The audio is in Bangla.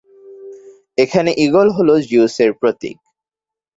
এখানে ঈগল হল জিউসের প্রতীক।